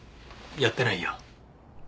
やってないよ。